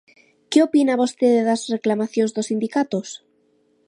¿Que opina vostede das reclamacións dos sindicatos?